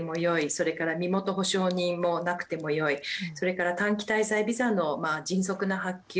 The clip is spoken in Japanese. それから身元保証人もなくてもよいそれから短期滞在ビザの迅速な発給。